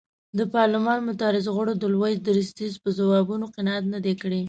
د پارلمان معترضو غړو د لوی درستیز په ځوابونو قناعت نه دی کړی.